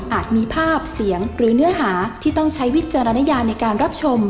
มีภาพเสียงหรือเนื้อหาที่ต้องใช้วิจารณญาในการรับชม